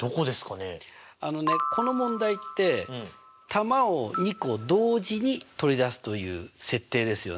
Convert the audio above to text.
あのねこの問題って球を２個同時に取り出すという設定ですよね。